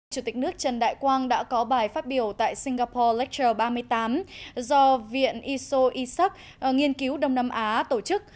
chủ tịch nước trần đại quang đã có bài phát biểu tại singapore lactor ba mươi tám do viện iso isak nghiên cứu đông nam á tổ chức